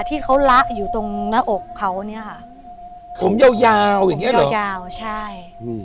ที่เขาละอยู่ตรงหน้าอกเขาเนี่ยค่ะผมยาวยาวอย่างเงี้เหรอผมยาวใช่